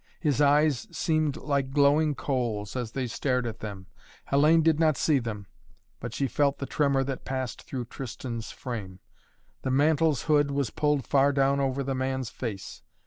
His eyes seemed like glowing coals, as they stared at them. Hellayne did not see them, but she felt the tremor that passed through Tristan's frame. The mantle's hood was pulled far down over the man's face.